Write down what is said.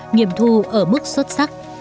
nghiêm thu ở mức xuất sắc